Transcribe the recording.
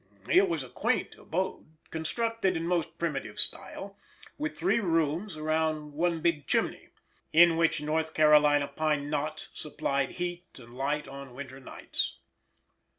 It was a quaint abode, constructed in most primitive style, with three rooms around one big chimney, in which North Carolina pine knots supplied heat and light on winter nights.